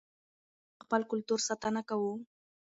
آیا موږ د خپل کلتور ساتنه کوو؟